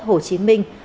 hồ chí minh